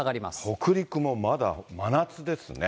北陸もまだ真夏ですね。